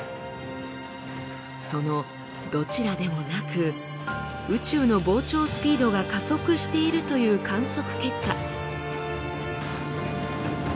そのどちらでもなく宇宙の膨張スピードが加速しているという観測結果。